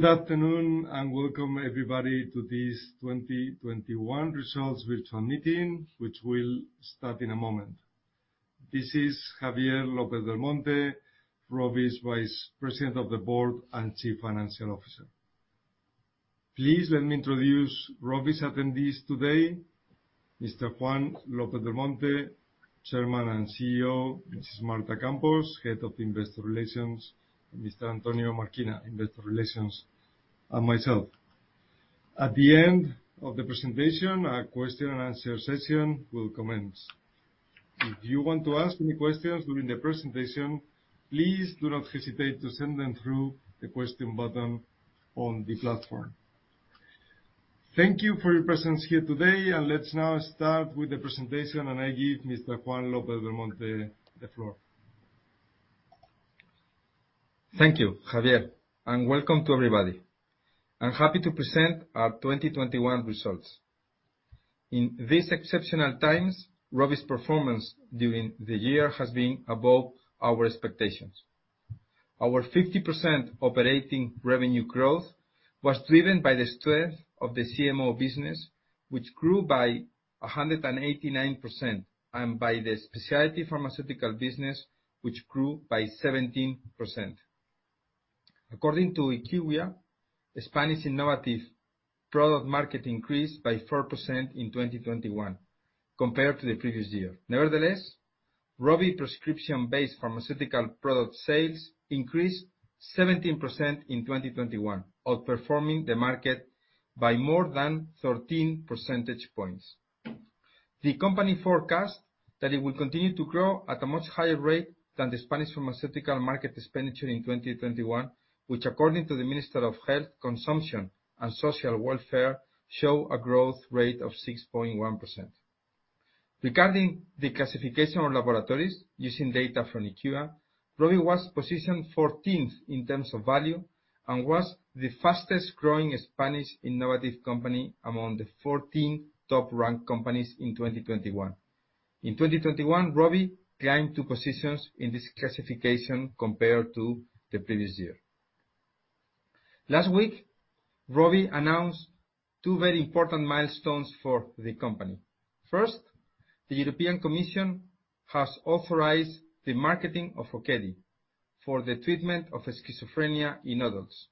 Good afternoon, and welcome everybody to this 2021 Results Virtual Meeting, which will start in a moment. This is Javier López-Belmonte Encina, ROVI's Vice President of the Board and Chief Financial Officer. Please let me introduce ROVI's attendees today. Mr. Juan López-Belmonte Encina, Chairman and CEO. Mrs. Marta Campos, Head of Investor Relations. Mr. Antonio Marquina, Investor Relations, and myself. At the end of the presentation, a question and answer session will commence. If you want to ask any questions during the presentation, please do not hesitate to send them through the question button on the platform. Thank you for your presence here today, and let's now start with the presentation, and I give Mr. Juan López-Belmonte Encina the floor. Thank you, Javier, and welcome to everybody. I'm happy to present our 2021 results. In these exceptional times, ROVI's performance during the year has been above our expectations. Our 50% operating revenue growth was driven by the strength of the CMO business, which grew by 189%, and by the specialty pharmaceutical business, which grew by 17%. According to IQVIA, the Spanish innovative product market increased by 4% in 2021 compared to the previous year. Nevertheless, ROVI prescription-based pharmaceutical product sales increased 17% in 2021, outperforming the market by more than 13 percentage points. The company forecasts that it will continue to grow at a much higher rate than the Spanish pharmaceutical market expenditure in 2021, which, according to the Ministry of Health, Consumer Affairs and Social Welfare, show a growth rate of 6.1%. Regarding the classification of laboratories using data from IQVIA, ROVI was positioned 14th in terms of value and was the fastest-growing Spanish innovative company among the 14 top-ranked companies in 2021. In 2021, ROVI climbed 2 positions in this classification compared to the previous year. Last week, ROVI announced two very important milestones for the company. First, the European Commission has authorized the marketing of Okedi for the treatment of schizophrenia in adults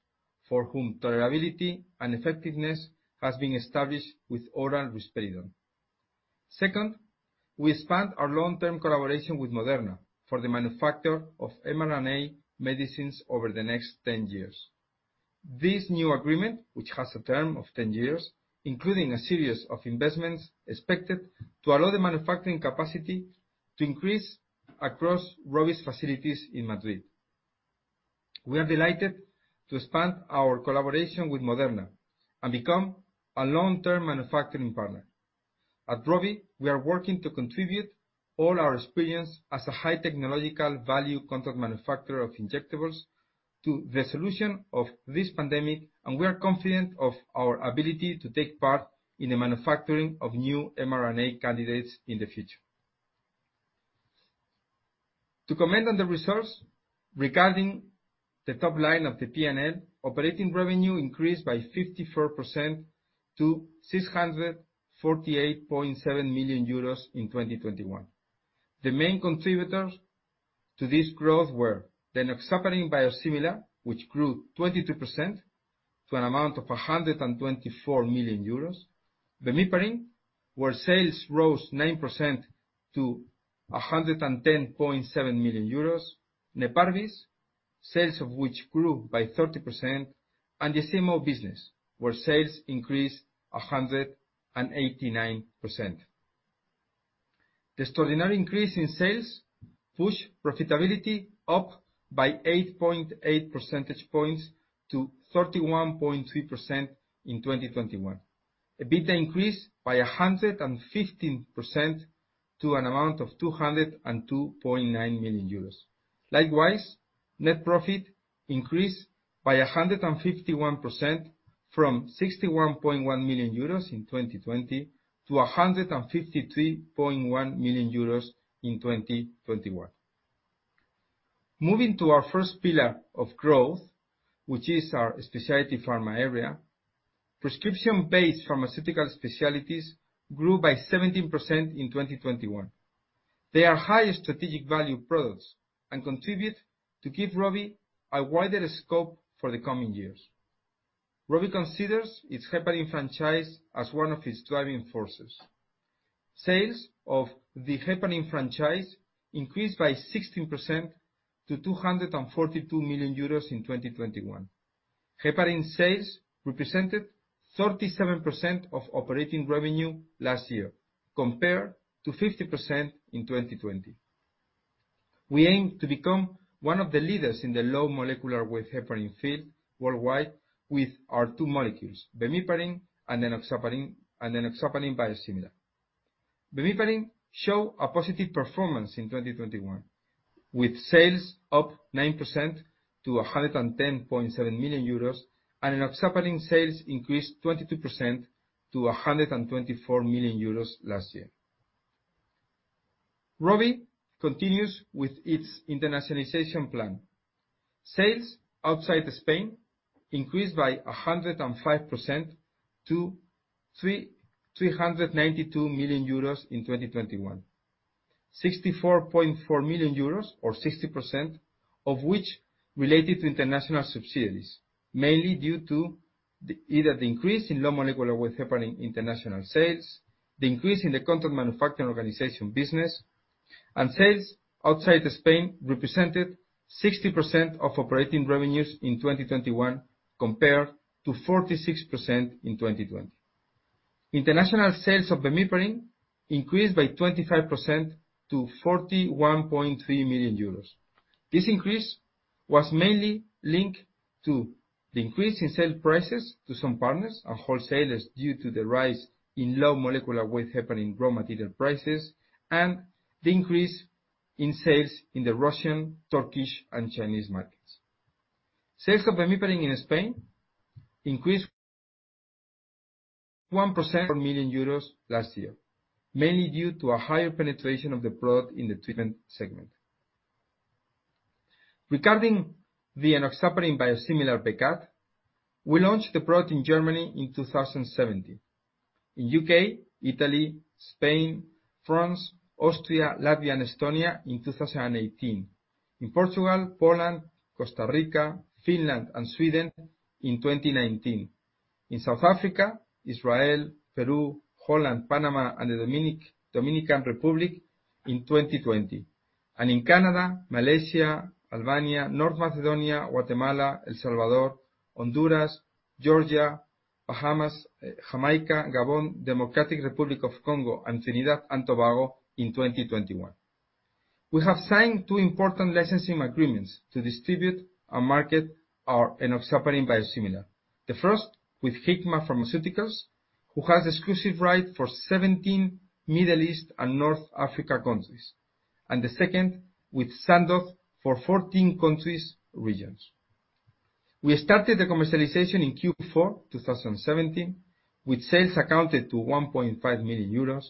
for whom tolerability and effectiveness has been established with oral risperidone. Second, we expand our long-term collaboration with Moderna for the manufacture of mRNA medicines over the next 10 years. This new agreement, which has a term of 10 years, including a series of investments expected to allow the manufacturing capacity to increase across ROVI's facilities in Madrid. We are delighted to expand our collaboration with Moderna and become a long-term manufacturing partner. At ROVI, we are working to contribute all our experience as a high technological value contract manufacturer of injectables to the solution of this pandemic, and we are confident of our ability to take part in the manufacturing of new mRNA candidates in the future. To comment on the results, regarding the top line of the P&L, operating revenue increased by 54% to 648.7 million euros in 2021. The main contributors to this growth were the enoxaparin biosimilar, which grew 22% to an amount of 124 million euros. Bemiparin, where sales rose 9% to 110.7 million euros. Neparvis, sales of which grew by 30%. The CMO business, where sales increased 189%. The extraordinary increase in sales pushed profitability up by 8.8 percentage points to 31.3% in 2021. EBITDA increased by 115% to an amount of 202.9 million euros. Likewise, net profit increased by 151% from 61.1 million euros in 2020 to 153.1 million euros in 2021. Moving to our first pillar of growth, which is our specialty pharma area, prescription-based pharmaceutical specialties grew by 17% in 2021. They are high strategic value products and contribute to give ROVI a wider scope for the coming years. ROVI considers its heparin franchise as one of its driving forces. Sales of the heparin franchise increased by 16% to 242 million euros in 2021. Heparin sales represented 37% of operating revenue last year, compared to 50% in 2020. We aim to become one of the leaders in the low-molecular-weight heparin field worldwide with our two molecules, Bemiparin and enoxaparin, and enoxaparin biosimilar. Bemiparin showed a positive performance in 2021, with sales up 9% to 110.7 million euros. Enoxaparin sales increased 22% to 124 million euros last year. ROVI continues with its internationalization plan. Sales outside Spain increased by 105% to 392 million euros in 2021. 64.4 million euros or 60% of which related to international subsidiaries, mainly due to the increase in low molecular weight heparin international sales, the increase in the contract manufacturing organization business, and sales outside Spain represented 60% of operating revenues in 2021 compared to 46% in 2020. International sales of Bemiparin increased by 25% to 41.3 million euros. This increase was mainly linked to the increase in sale prices to some partners and wholesalers due to the rise in low molecular weight heparin raw material prices and the increase in sales in the Russian, Turkish and Chinese markets. Sales of Bemiparin in Spain increased 1% million EUR last year, mainly due to a higher penetration of the product in the treatment segment. Regarding the enoxaparin biosimilar Becat, we launched the product in Germany in 2017. In U.K., Italy, Spain, France, Austria, Latvia, and Estonia in 2018. In Portugal, Poland, Costa Rica, Finland and Sweden in 2019. In South Africa, Israel, Peru, Holland, Panama and the Dominican Republic in 2020. In Canada, Malaysia, Albania, North Macedonia, Guatemala, El Salvador, Honduras, Georgia, Bahamas, Jamaica, Gabon, Democratic Republic of Congo, and Trinidad and Tobago in 2021. We have signed two important licensing agreements to distribute and market our enoxaparin biosimilar. The first with Hikma Pharmaceuticals, who has exclusive right for 17 Middle East and North Africa countries, and the second with Sandoz for 14 countries regions. We started the commercialization in Q4 2017, with sales amounted to 1.5 million euros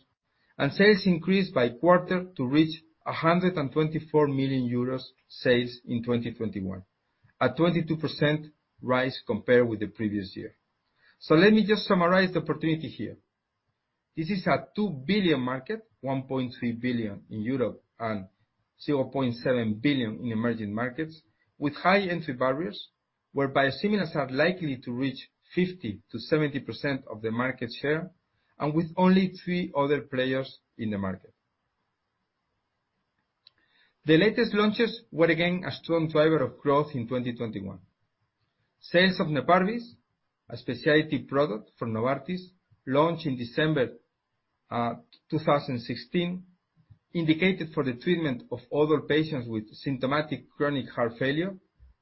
and sales increased by quarter to reach 124 million euros sales in 2021. A 22% rise compared with the previous year. Let me just summarize the opportunity here. This is a 2 billion market, 1.3 billion in Europe and 0.7 billion in emerging markets with high entry barriers, where biosimilars are likely to reach 50%-70% of the market share and with only three other players in the market. The latest launches were again a strong driver of growth in 2021. Sales of Neparvis, a specialty product from Novartis, launched in December 2016, indicated for the treatment of older patients with symptomatic chronic heart failure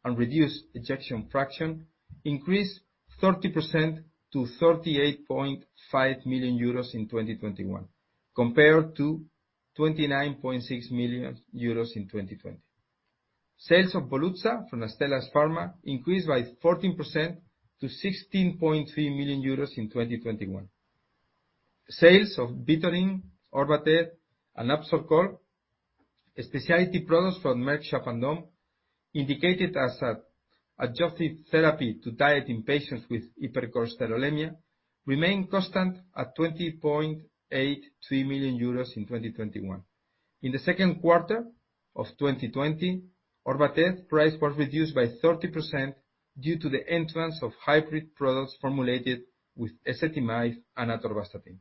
and reduced ejection fraction, increased 30% to 38.5 million euros in 2021 compared to 29.6 million euros in 2020. Sales of Volutsa from Astellas Pharma increased by 14% to 16.3 million euros in 2021. Sales of Vytorin, Orvatez, and Absorcol, specialty products from Merck Sharp & Dohme, indicated as an adjunctive therapy to diet in patients with hypercholesterolemia, remained constant at 20.83 million euros in 2021. In the second quarter of 2020, Orvatez price was reduced by 30% due to the entrance of hybrid products formulated with ezetimibe and atorvastatin.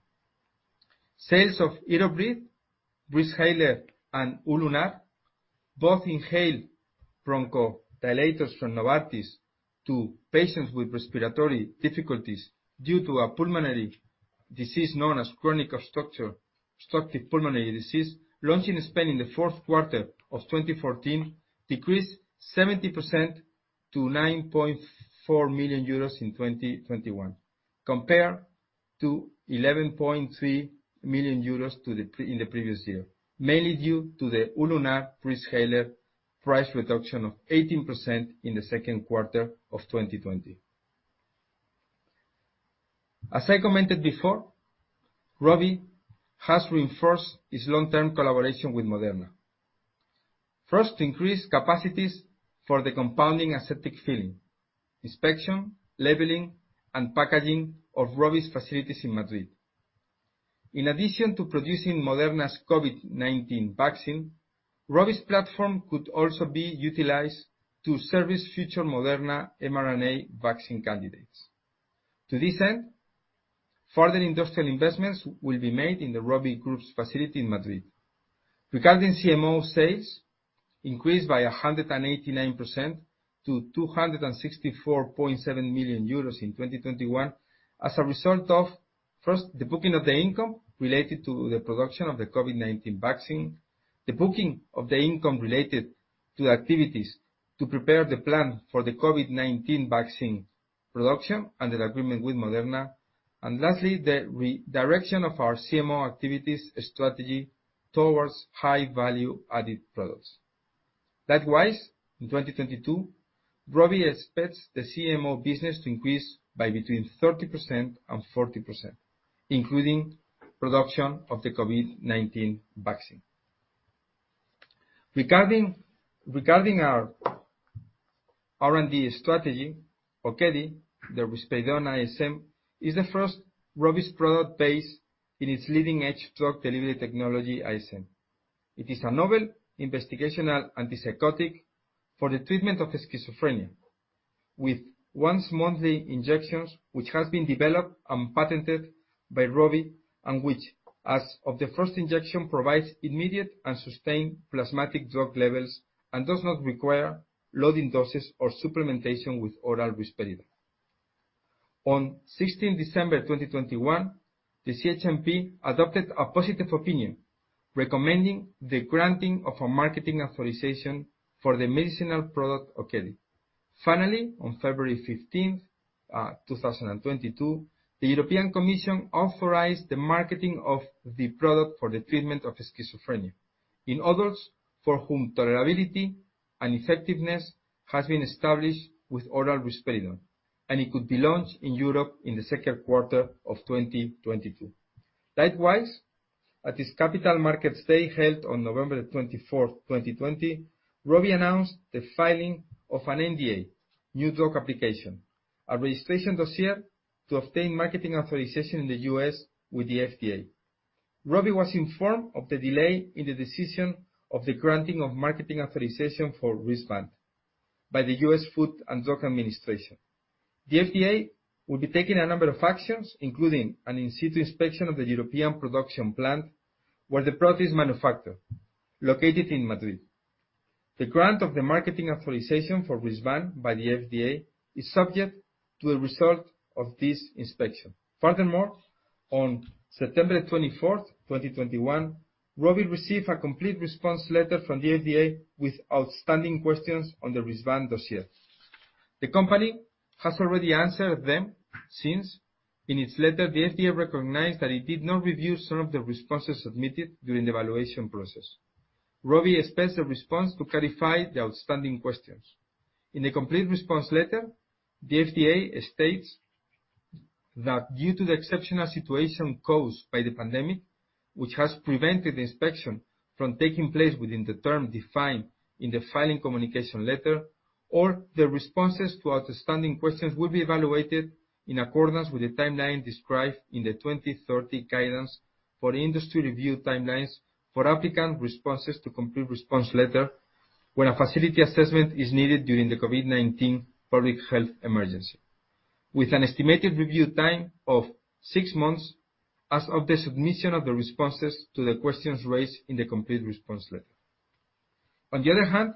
Sales of Hirobriz, Breezhaler, and Ulunar, both inhaled bronchodilators from Novartis to patients with respiratory difficulties due to a pulmonary disease known as chronic obstructive pulmonary disease, launched in Spain in the fourth quarter of 2014, decreased 70% to 9.4 million euros in 2021 compared to 11.3 million euros in the previous year, mainly due to the Ulunar Breezhaler price reduction of 18% in the second quarter of 2020. As I commented before, ROVI has reinforced its long-term collaboration with Moderna. First, ROVI increased capacities for the compounding aseptic filling, inspection, labeling, and packaging of ROVI's facilities in Madrid. In addition to producing Moderna's COVID-19 vaccine, ROVI's platform could also be utilized to service future Moderna mRNA vaccine candidates. To this end, further industrial investments will be made in the ROVI Group's facility in Madrid. Regarding CMO sales, increased by 189% to 264.7 million euros in 2021, as a result of, first, the booking of the income related to the production of the COVID-19 vaccine, the booking of the income related to activities to prepare the plan for the COVID-19 vaccine production under the agreement with Moderna. Lastly, the redirection of our CMO activities strategy towards high-value added products. Likewise, in 2022, ROVI expects the CMO business to increase by between 30% and 40%, including production of the COVID-19 vaccine. Regarding our R&D strategy, Okedi, the Risperidone ISM, is the first ROVI's product based on its leading edge drug delivery technology, ISM. It is a novel investigational antipsychotic for the treatment of schizophrenia with once-monthly injections, which has been developed and patented by ROVI, and which, as of the first injection, provides immediate and sustained plasmatic drug levels and does not require loading doses or supplementation with oral risperidone. On 16 December 2021, the CHMP adopted a positive opinion, recommending the granting of a marketing authorization for the medicinal product Okedi. Finally, on February 15, 2022, the European Commission authorized the marketing of the product for the treatment of schizophrenia in adults for whom tolerability and effectiveness has been established with oral risperidone, and it could be launched in Europe in the second quarter of 2022. Likewise, at its Capital Markets Day held on November 24, 2020, ROVI announced the filing of an NDA, new drug application, a registration dossier to obtain marketing authorization in the U.S. with the FDA. ROVI was informed of the delay in the decision of the granting of marketing authorization for Risvan by the U.S. Food and Drug Administration. The FDA will be taking a number of actions, including an in situ inspection of the European production plant where the product is manufactured, located in Madrid. The grant of the marketing authorization for Risvan by the FDA is subject to the result of this inspection. Furthermore, on September 24, 2021, ROVI received a complete response letter from the FDA with outstanding questions on the Risvan dossier. The company has already answered them, since in its letter, the FDA recognized that it did not review some of the responses submitted during the evaluation process. ROVI expects a response to clarify the outstanding questions. In a complete response letter, the FDA states that due to the exceptional situation caused by the pandemic, which has prevented inspection from taking place within the term defined in the filing communication letter or the responses to outstanding questions will be evaluated in accordance with the timeline described in the 2020 guidance for industry review timelines for applicant responses to complete response letter when a facility assessment is needed during the COVID-19 public health emergency. With an estimated review time of six months as of the submission of the responses to the questions raised in the complete response letter. On the other hand,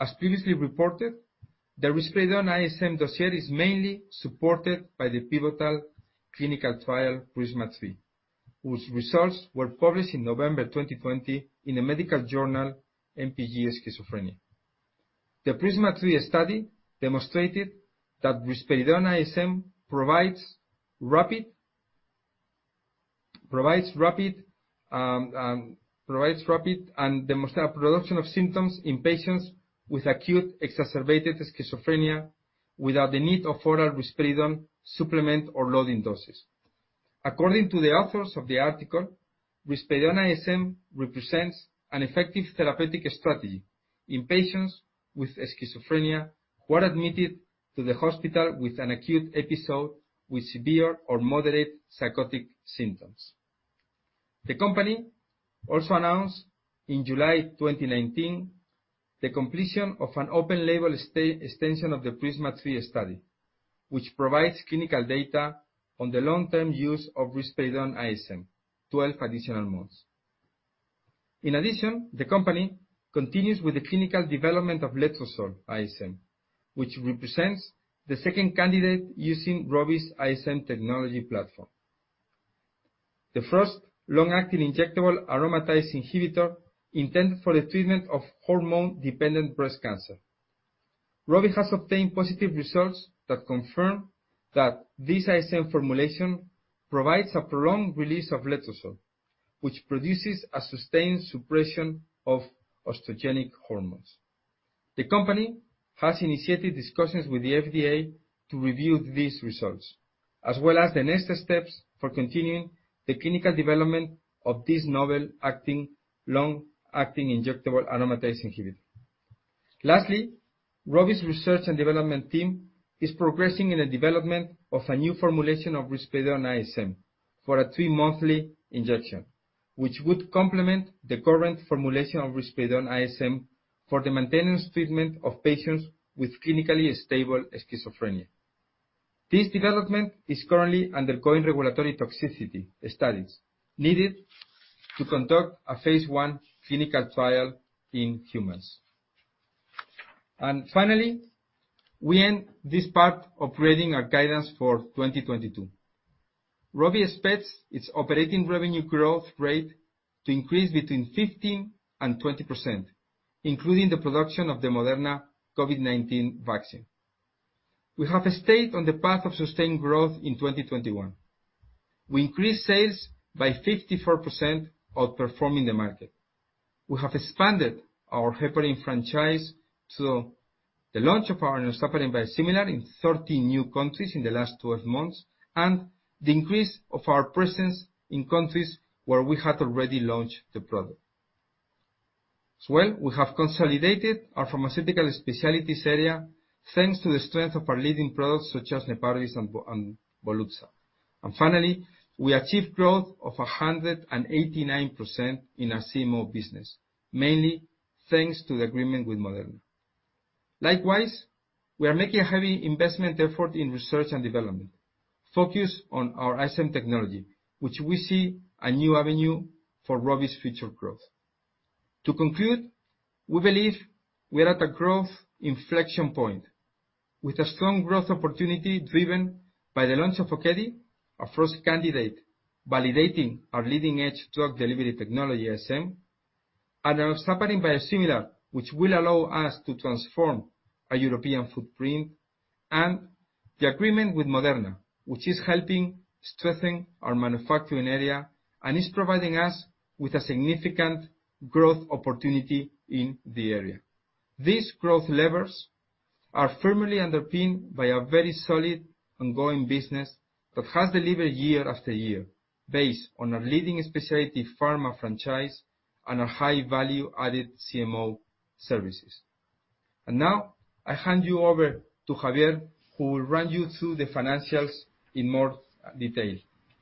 as previously reported, the Risperidone ISM dossier is mainly supported by the pivotal clinical trial PRISMA-3, whose results were published in November 2020 in the medical journal npj Schizophrenia. The PRISMA-3 study demonstrated that Risperidone ISM provides rapid and sustained reduction of symptoms in patients with acute exacerbated schizophrenia without the need of oral risperidone supplement or loading doses. According to the authors of the article, Risperidone ISM represents an effective therapeutic strategy in patients with schizophrenia who are admitted to the hospital with an acute episode with severe or moderate psychotic symptoms. The company also announced in July 2019 the completion of an open-label safety extension of the PRISMA-3 study, which provides clinical data on the long-term use of Risperidone ISM, 12 additional months. In addition, the company continues with the clinical development of Letrozole ISM, which represents the second candidate using ROVI's ISM technology platform, the first long-acting injectable aromatase inhibitor intended for the treatment of hormone-dependent breast cancer. ROVI has obtained positive results that confirm that this ISM formulation provides a prolonged release of letrozole, which produces a sustained suppression of estrogenic hormones. The company has initiated discussions with the FDA to review these results, as well as the next steps for continuing the clinical development of this novel-acting, long-acting injectable aromatase inhibitor. Lastly, ROVI's research and development team is progressing in the development of a new formulation of Risperidone ISM for a three-monthly injection, which would complement the current formulation of Risperidone ISM for the maintenance treatment of patients with clinically stable schizophrenia. This development is currently undergoing regulatory toxicity studies needed to conduct a phase I clinical trial in humans. Finally, we end this part upgrading our guidance for 2022. ROVI expects its operating revenue growth rate to increase 15%-20%, including the production of the Moderna COVID-19 vaccine. We have stayed on the path of sustained growth in 2021. We increased sales by 54%, outperforming the market. We have expanded our heparin franchise to the launch of our enoxaparin biosimilar in 30 new countries in the last 12 months, and the increase of our presence in countries where we had already launched the product. As well, we have consolidated our pharmaceutical specialties area, thanks to the strength of our leading products such as Neparvis and Volutza. Finally, we achieved growth of 189% in our CMO business, mainly thanks to the agreement with Moderna. Likewise, we are making a heavy investment effort in research and development, focused on our ISM technology, which we see a new avenue for ROVI's future growth. To conclude, we believe we are at a growth inflection point, with a strong growth opportunity driven by the launch of Okedi, our first candidate, validating our leading edge drug delivery technology, ISM, and our enoxaparin biosimilar, which will allow us to transform our European footprint, and the agreement with Moderna, which is helping strengthen our manufacturing area and is providing us with a significant growth opportunity in the area. These growth levers are firmly underpinned by a very solid ongoing business that has delivered year after year, based on our leading specialty pharma franchise and our high-value added CMO services. Now I hand you over to Javier, who will run you through the financials in more detail.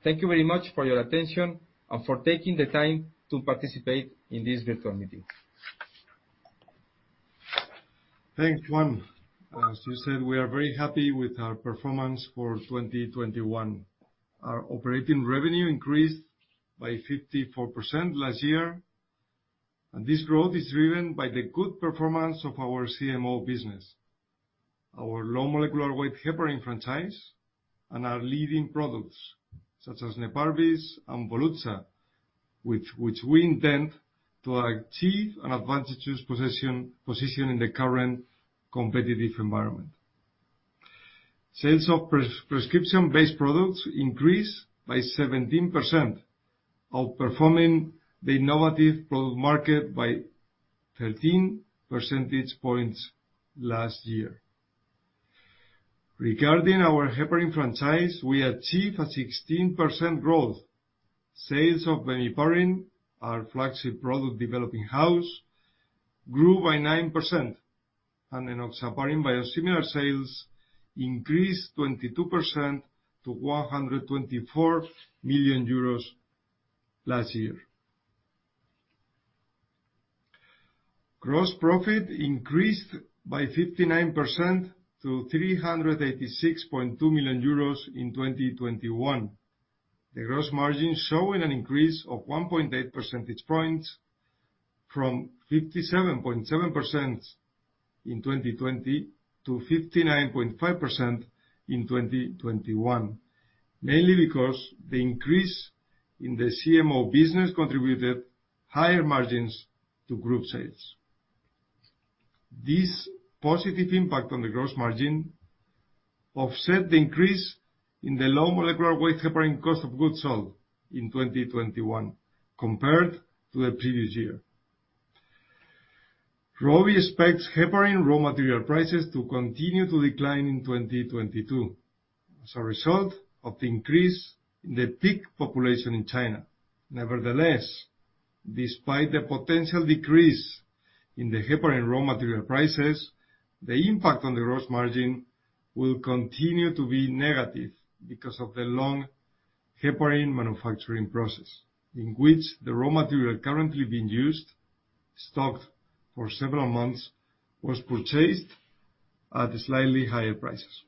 Thank you very much for your attention and for taking the time to participate in this virtual meeting. Thanks, Juan. As you said, we are very happy with our performance for 2021. Our operating revenue increased by 54% last year, and this growth is driven by the good performance of our CMO business, our low molecular weight heparin franchise, and our leading products, such as Neparvis and Volutza, which we intend to achieve an advantageous position in the current competitive environment. Sales of prescription-based products increased by 17%, outperforming the innovative product market by 13 percentage points last year. Regarding our heparin franchise, we achieved a 16% growth. Sales of Bemiparin, our flagship product developed in-house, grew by 9%, and enoxaparin biosimilar sales increased 22% to 124 million euros last year. Gross profit increased by 59% to 386.2 million euros in 2021. The gross margin showing an increase of 1.8 percentage points from 57.7% in 2020 to 59.5% in 2021, mainly because the increase in the CMO business contributed higher margins to group sales. This positive impact on the gross margin offset the increase in the low molecular weight heparin cost of goods sold in 2021 compared to the previous year. ROVI expects heparin raw material prices to continue to decline in 2022 as a result of the increase in the pig population in China. Nevertheless, despite the potential decrease in the heparin raw material prices, the impact on the gross margin will continue to be negative because of the long heparin manufacturing process, in which the raw material currently being used, stocked for several months, was purchased at slightly higher prices.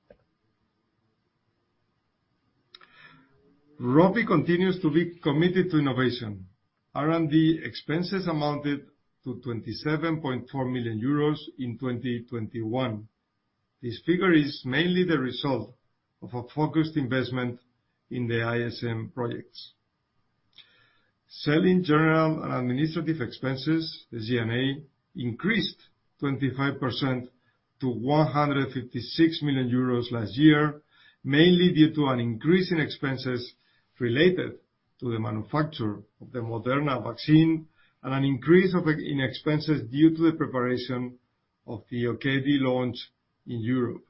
ROVI continues to be committed to innovation. R&D expenses amounted to 27.4 million euros in 2021. This figure is mainly the result of a focused investment in the ISM projects. Selling, general, and administrative expenses, SG&A, increased 25% to 156 million euros last year, mainly due to an increase in expenses related to the manufacture of the Moderna vaccine and an increase in expenses due to the preparation of the Okedi launch in Europe.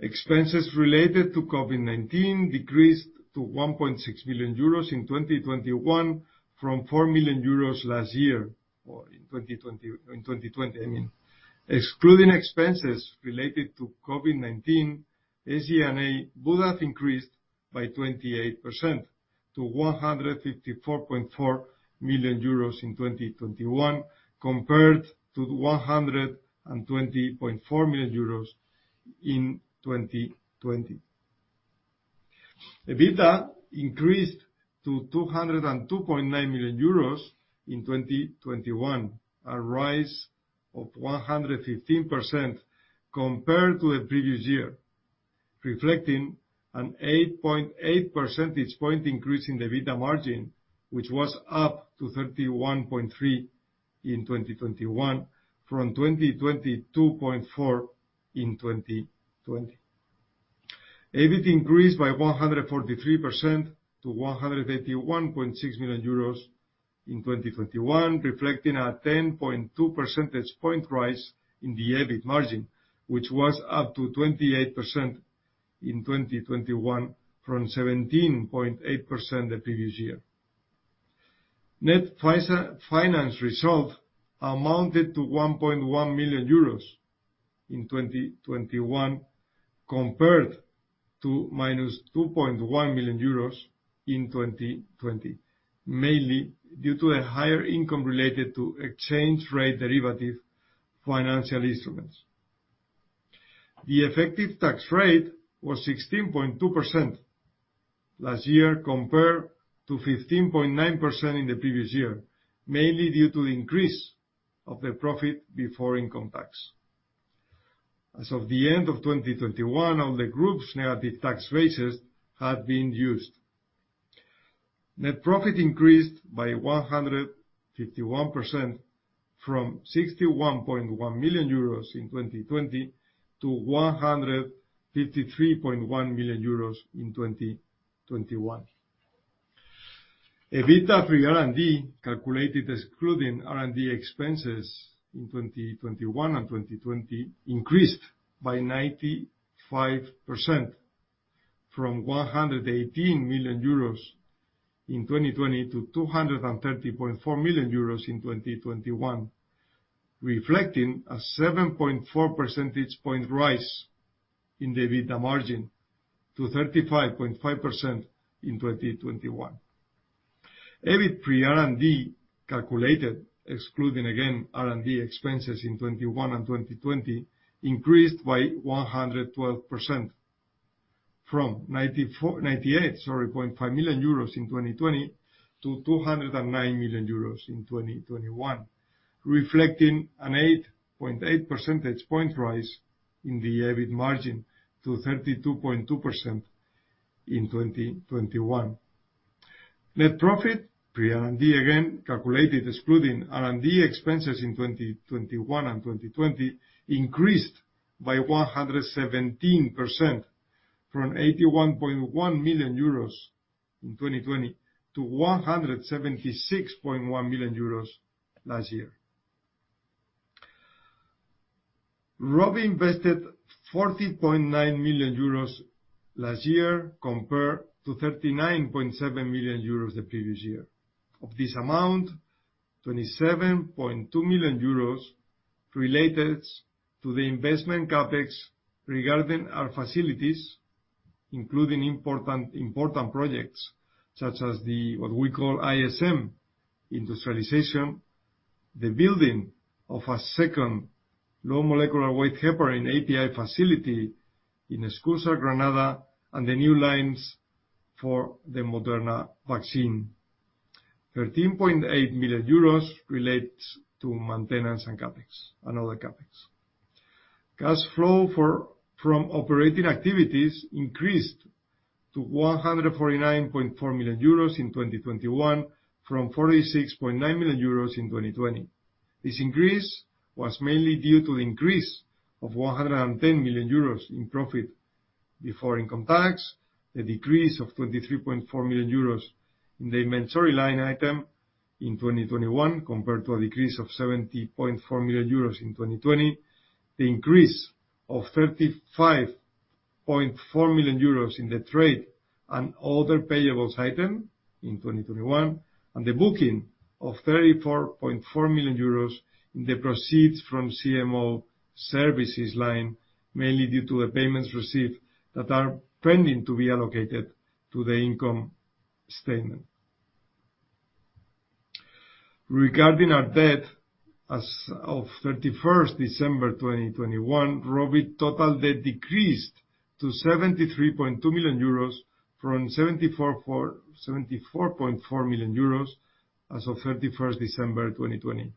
Expenses related to COVID-19 decreased to 1.6 million euros in 2021 from 4 million euros last year, or in 2020, I mean. Excluding expenses related to COVID-19, SG&A would have increased by 28% to 154.4 million euros in 2021 compared to the 120.4 million euros in 2020. EBITDA increased to 202.9 million euros in 2021, a rise of 115% compared to the previous year. Reflecting an 8.8 percentage point increase in the EBITDA margin, which was up to 31.3 in 2021 from 22.4 in 2020. EBIT increased by 143% to 181.6 million euros in 2021, reflecting a 10.2 percentage point rise in the EBIT margin, which was up to 28% in 2021 from 17.8% the previous year. Net finance result amounted to 1.1 million euros in 2021 compared to -2.1 million euros in 2020, mainly due to a higher income related to exchange rate derivative financial instruments. The effective tax rate was 16.2% last year compared to 15.9% in the previous year, mainly due to the increase of the profit before income tax. As of the end of 2021, all the group's negative tax losses had been used. Net profit increased by 151% from 61.1 million euros in 2020 to 153.1 million euros in 2021. EBITDA for R&D, calculated excluding R&D expenses in 2021 and 2020, increased by 95% from 118 million euros in 2020 to 230.4 million euros in 2021, reflecting a 7.4 percentage point rise in the EBITDA margin to 35.5% in 2021. EBIT pre-R&D, calculated excluding, again, R&D expenses in 2021 and 2020, increased by 112% from 98.5 million euros in 2020 to 209 million euros in 2021, reflecting an 8.8 percentage point rise in the EBIT margin to 32.2% in 2021. Net profit pre R&D, again, calculated excluding R&D expenses in 2021 and 2020, increased by 117% from 81.1 million euros in 2020 to 176.1 million euros last year. ROVI invested 40.9 million euros last year compared to 39.7 million euros the previous year. Of this amount, 27.2 million euros related to the investment CapEx regarding our facilities, including important projects such as the... what we call ISM industrialization, the building of a second low molecular weight heparin API facility in Escúzar, Granada, and the new lines for the Moderna vaccine. 13.8 million euros relates to maintenance and CapEx, and other CapEx. Cash flow from operating activities increased to 149.4 million euros in 2021 from 46.9 million euros in 2020. This increase was mainly due to the increase of 110 million euros in profit before income tax, the decrease of 23.4 million euros in the inventory line item in 2021 compared to a decrease of 70.4 million euros in 2020. The increase of 35.4 million euros in the trade and other payables item in 2021, and the booking of 34.4 million euros in the proceeds from CMO services line, mainly due to payments received that are pending to be allocated to the income statement. Regarding our debt, as of December 31, 2021, ROVI total debt decreased to 73.2 million euros from 74.4 million euros as of December 31, 2020.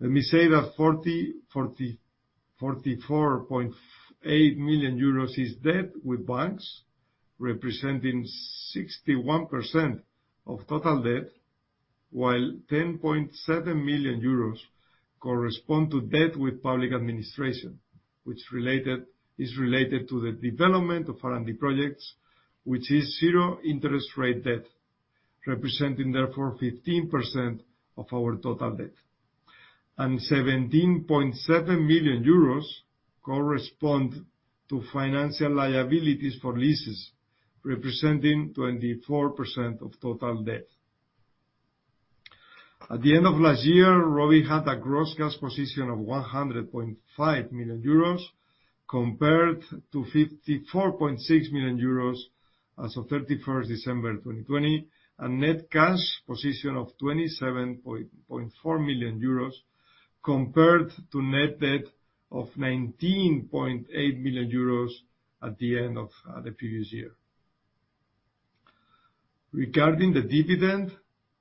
Let me say that 44.8 million euros is debt with banks, representing 61% of total debt, while 10.7 million euros correspond to debt with public administration, which is related to the development of R&D projects, which is zero interest rate debt, representing therefore 15% of our total debt. Seventeen point seven million euros correspond to financial liabilities for leases, representing 24% of total debt. At the end of last year, ROVI had a gross cash position of 100.5 million euros compared to 54.6 million euros as of December 31, 2020, and net cash position of 27.4 million euros compared to net debt of 19.8 million euros at the end of the previous year. Regarding the dividend,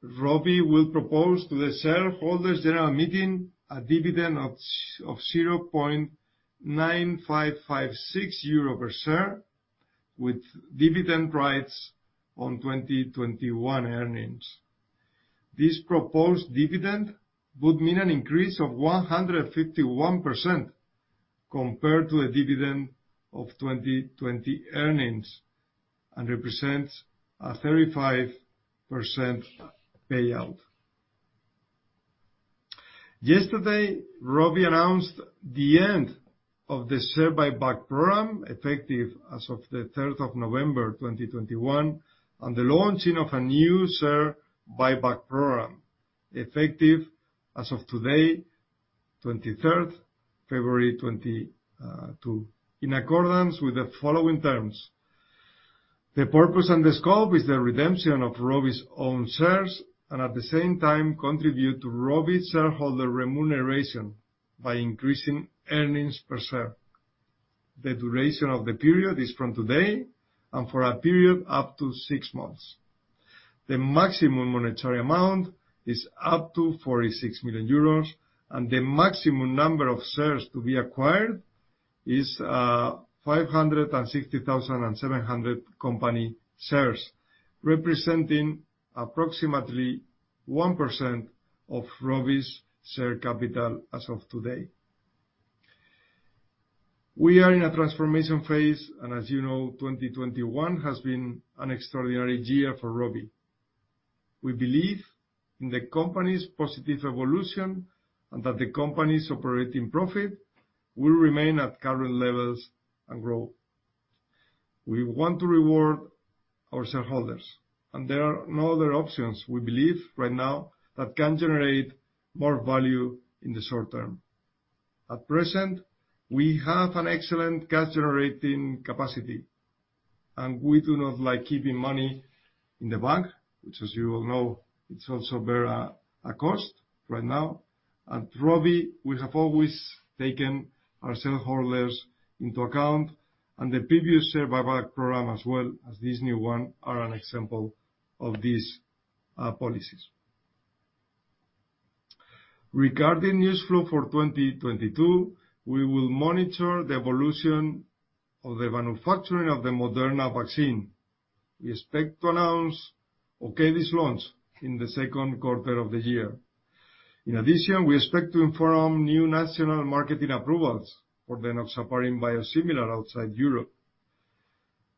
ROVI will propose to the shareholders general meeting a dividend of 0.9556 euro per share, with dividend rights on 2021 earnings. This proposed dividend would mean an increase of 151% compared to a dividend of 2020 earnings, and represents a 35% payout. Yesterday, ROVI announced the end of the share buyback program, effective as of the 3rd of November, 2021, and the launching of a new share buyback program, effective as of today, 23rd February 2022, in accordance with the following terms. The purpose and the scope is the redemption of ROVI's own shares, and at the same time, contribute to ROVI shareholder remuneration by increasing earnings per share. The duration of the period is from today and for a period up to six months. The maximum monetary amount is up to 46 million euros, and the maximum number of shares to be acquired is 560,700 company shares, representing approximately 1% of ROVI's share capital as of today. We are in a transformation phase, and as you know, 2021 has been an extraordinary year for ROVI. We believe in the company's positive evolution and that the company's operating profit will remain at current levels and grow. We want to reward our shareholders, and there are no other options we believe right now that can generate more value in the short term. At present, we have an excellent cash-generating capacity, and we do not like keeping money in the bank, which, as you all know, it also bear a cost right now. At ROVI, we have always taken our shareholders into account, and the previous share buyback program, as well as this new one, are an example of these policies. Regarding news flow for 2022, we will monitor the evolution of the manufacturing of the Moderna vaccine. We expect to announce Okedi launch in the second quarter of the year. In addition, we expect to inform new national marketing approvals for the enoxaparin biosimilar outside Europe.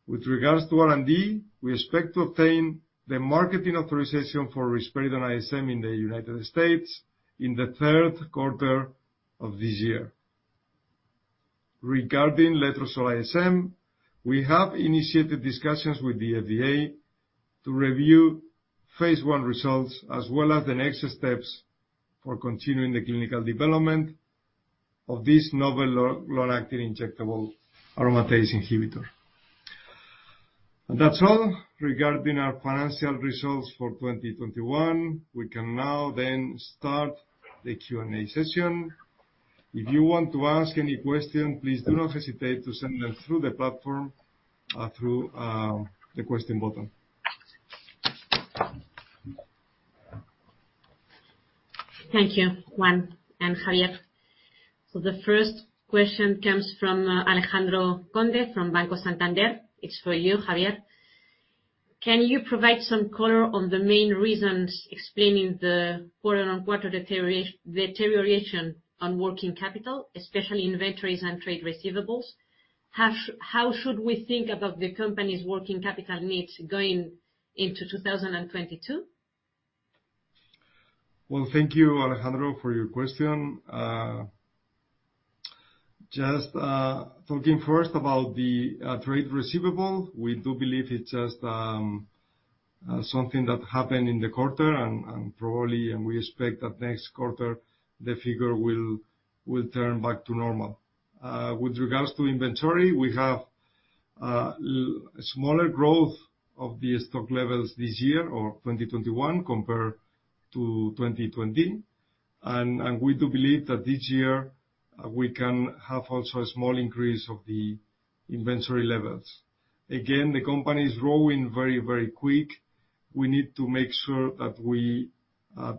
With regards to R&D, we expect to obtain the marketing authorization for Risperidone ISM in the United States in the third quarter of this year. Regarding Letrozole ISM, we have initiated discussions with the FDA to review phase I results, as well as the next steps for continuing the clinical development of this novel long-acting injectable aromatase inhibitor. That's all regarding our financial results for 2021. We can now then start the Q&A session. If you want to ask any question, please do not hesitate to send them through the platform through the question button. Thank you, Juan and Javier. The first question comes from Alejandro Conde from Banco Santander. It's for you, Javier. Can you provide some color on the main reasons explaining the quarter-on-quarter deterioration on working capital, especially inventories and trade receivables? How should we think about the company's working capital needs going into 2022? Well, thank you, Alejandro, for your question. Just talking first about the trade receivable. We do believe it's just something that happened in the quarter and, probably, we expect that next quarter, the figure will turn back to normal. With regards to inventory, we have smaller growth of the stock levels this year or 2021 compared to 2020. We do believe that this year we can have also a small increase of the inventory levels. Again, the company is growing very quick. We need to make sure that we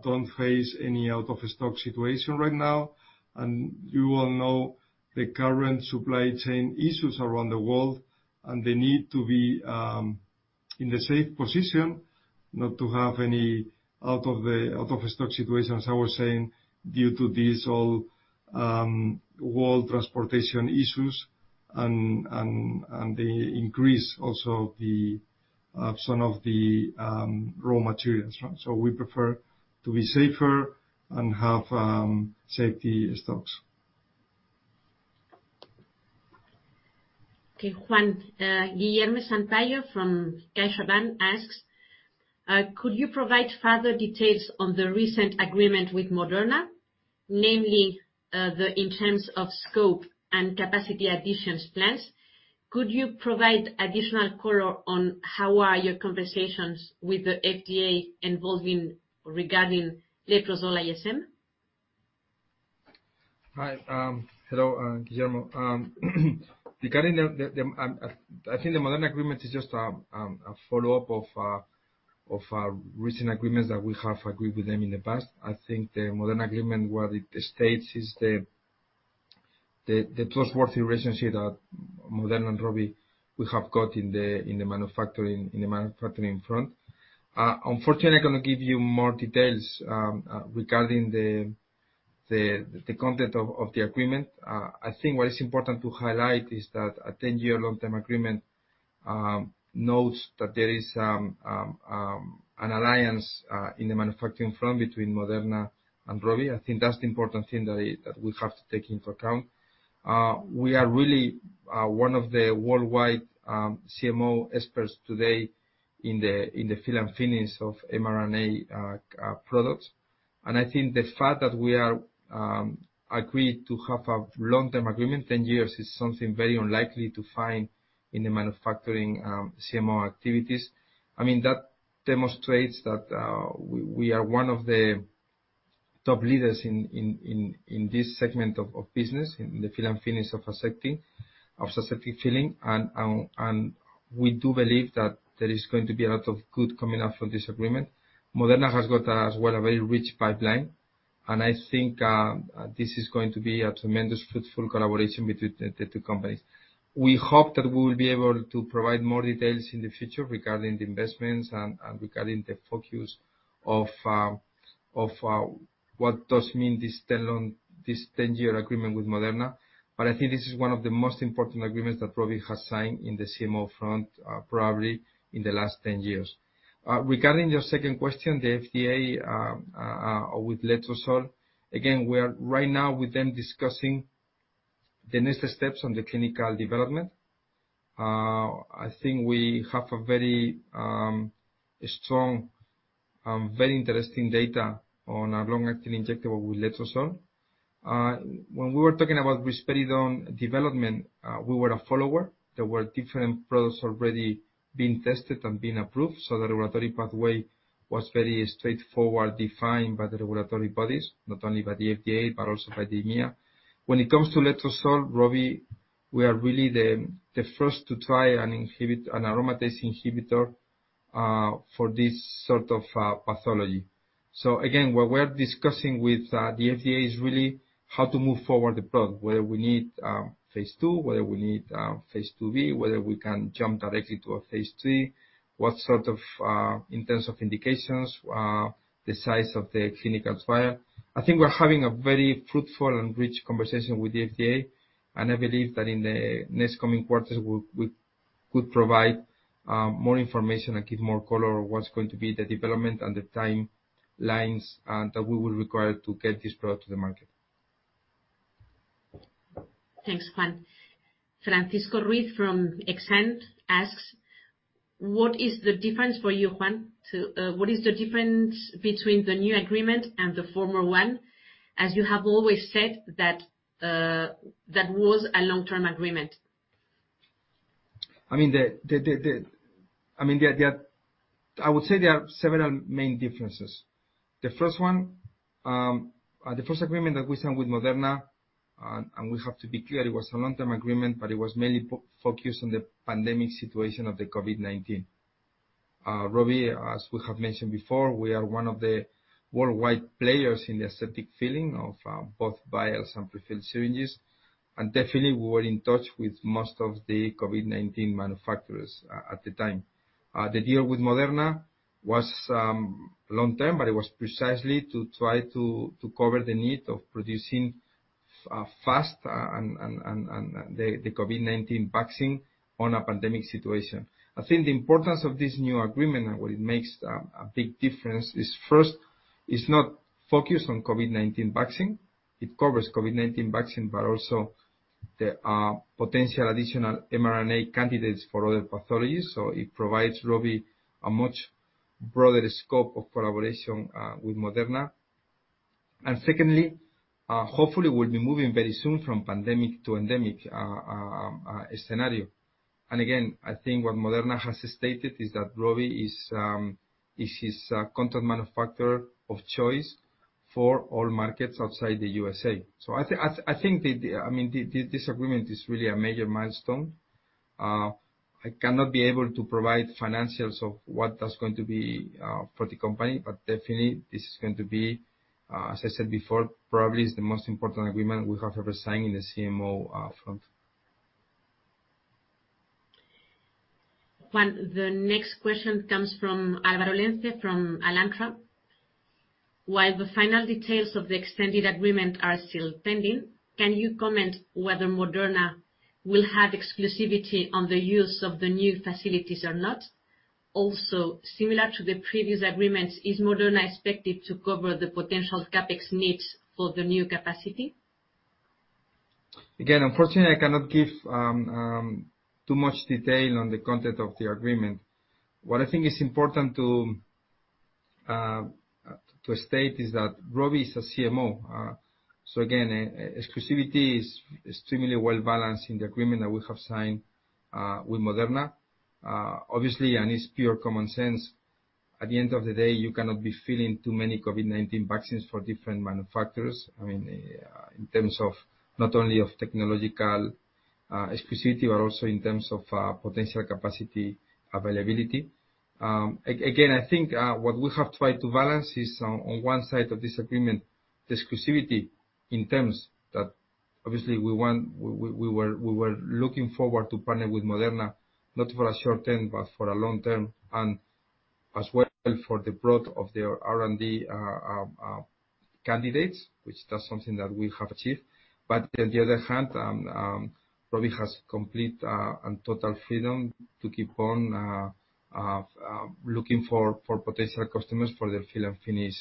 don't face any out of stock situation right now. You all know the current supply chain issues around the world and the need to be in a safe position not to have any out of stock situations. I was saying due to these all world transportation issues and the increase also of some of the raw materials. We prefer to be safer and have safety stocks. Okay. Juan, Guilherme Sampaio from CaixaBank asks, could you provide further details on the recent agreement with Moderna, namely, in terms of scope and capacity additions plans? Could you provide additional color on how are your conversations with the FDA evolving regarding Letrozole ISM? Hi. Hello, Guillermo. Regarding the Moderna agreement, I think it is just a follow-up of recent agreements that we have agreed with them in the past. I think the Moderna agreement, what it states is the trustworthy relationship that Moderna and ROVI we have got in the manufacturing front. Unfortunately, I cannot give you more details regarding the content of the agreement. I think what is important to highlight is that a 10-year long-term agreement notes that there is an alliance in the manufacturing front between Moderna and ROVI. I think that's the important thing that we have to take into account. We are really one of the worldwide CMO experts today in the fill and finish of mRNA products. I think the fact that we are agreed to have a long-term agreement, 10 years, is something very unlikely to find in the manufacturing CMO activities. I mean, that demonstrates that we are one of the top leaders in this segment of business, in the fill and finish of aseptic filling. We do believe that there is going to be a lot of good coming out from this agreement. Moderna has got as well a very rich pipeline, and I think this is going to be a tremendous fruitful collaboration between the two companies. We hope that we will be able to provide more details in the future regarding the investments and regarding the focus of what this means, this 10-year agreement with Moderna. I think this is one of the most important agreements that ROVI has signed in the CMO front, probably in the last 10 years. Regarding your second question, the FDA with Letrozole, again, we are right now with them discussing the next steps on the clinical development. I think we have a very strong, very interesting data on our long-acting injectable with Letrozole. When we were talking about risperidone development, we were a follower. There were different products already being tested and being approved, so the regulatory pathway was very straightforward, defined by the regulatory bodies, not only by the FDA, but also by the EMEA. When it comes to Letrozole, ROVI, we are really the first to try and inhibit an aromatase inhibitor for this sort of pathology. Again, what we're discussing with the FDA is really how to move forward the product, whether we need phase II, whether we need phase II-B, whether we can jump directly to a phase III, what sort of in terms of indications the size of the clinical trial. I think we're having a very fruitful and rich conversation with the FDA, and I believe that in the next coming quarters, we could provide more information and give more color on what's going to be the development and the timelines that we will require to get this product to the market. Thanks, Juan. Francisco Ruiz from Exane asks, "What is the difference between the new agreement and the former one? As you have always said that that was a long-term agreement. I mean, I would say there are several main differences. The first one, the first agreement that we signed with Moderna, and we have to be clear, it was a long-term agreement, but it was mainly focused on the pandemic situation of the COVID-19. ROVI, as we have mentioned before, we are one of the worldwide players in the aseptic filling of both vials and pre-filled syringes. Definitely, we were in touch with most of the COVID-19 manufacturers at the time. The deal with Moderna was long-term, but it was precisely to try to cover the need of producing fast and the COVID-19 vaccine on a pandemic situation. I think the importance of this new agreement and what it makes a big difference is first, it's not focused on COVID-19 vaccine. It covers COVID-19 vaccine, but also the potential additional mRNA candidates for other pathologies. It provides ROVI a much broader scope of collaboration with Moderna. Secondly, hopefully we'll be moving very soon from pandemic to endemic scenario. Again, I think what Moderna has stated is that ROVI is its contract manufacturer of choice for all markets outside the USA. I think, I mean, this agreement is really a major milestone. I cannot be able to provide financials of what that's going to be, for the company, but definitely this is going to be, as I said before, probably is the most important agreement we have ever signed in the CMO, front. Juan, the next question comes from Álvaro Lenze from Alantra. While the final details of the extended agreement are still pending, can you comment whether Moderna will have exclusivity on the use of the new facilities or not? Also, similar to the previous agreements, is Moderna expected to cover the potential CapEx needs for the new capacity? Again, unfortunately, I cannot give too much detail on the content of the agreement. What I think is important to state is that ROVI is a CMO. So again, exclusivity is extremely well balanced in the agreement that we have signed with Moderna. Obviously, it's pure common sense. At the end of the day, you cannot be filling too many COVID-19 vaccines for different manufacturers. I mean, in terms of not only of technological exclusivity but also in terms of potential capacity availability. Again, I think what we have tried to balance is on one side of this agreement, the exclusivity in terms that obviously we want... We were looking forward to partner with Moderna not for a short term, but for a long term, and as well for the product of their R&D candidates, which that's something that we have achieved. On the other hand, ROVI has complete and total freedom to keep on looking for potential customers for their fill-and-finish